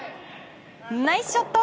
ナイスショット！